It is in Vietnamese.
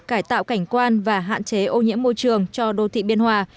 cải tạo cảnh quan và hạn chế ô nhiễm môi trường cho đô thị biên hòa